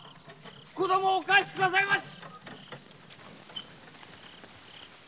子供をお返し下さいまし！